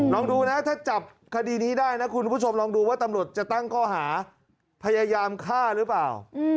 ลองดูนะถ้าจับคดีนี้ได้นะคุณผู้ชมลองดูว่าตำรวจจะตั้งข้อหาพยายามฆ่าหรือเปล่า